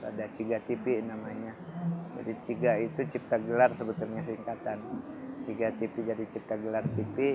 ada ciga tv namanya jadi ciga itu ciptagelar sebetulnya singkatan ciga tv jadi ciptagelar tv